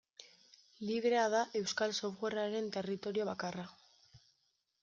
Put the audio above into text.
Librea da euskal softwarearen territorio bakarra.